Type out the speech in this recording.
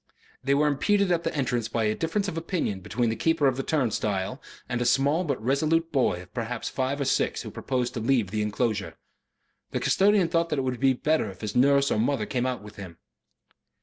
They were impeded at the entrance by a difference of opinion between the keeper of the turnstile and a small but resolute boy of perhaps five or six who proposed to leave the enclosure. The custodian thought that it would be better if his nurse or his mother came out with him.